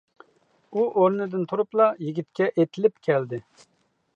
ئۇ ئورنىدىن تۇرۇپلا يىگىتكە ئېتىلىپ كەلدى.